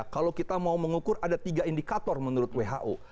kalau kita mau mengukur ada tiga indikator menurut who